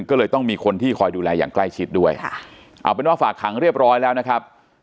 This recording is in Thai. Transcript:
ก็เลยต้องมีคนที่คอยดูแลอย่างใกล้ชิดด้วยค่ะเอาเป็นว่าฝากขังเรียบร้อยแล้วนะครับ